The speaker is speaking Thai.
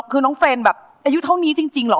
คือน้องเฟรนแบบอายุเท่านี้จริงเหรอ